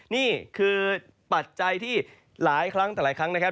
นี่คือปัจจัยที่หลายครั้งแต่หลายครั้งนะครับ